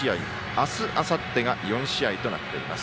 明日、あさってが４試合となっています。